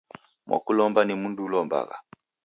Mwakulomba ni mndu ulombagha.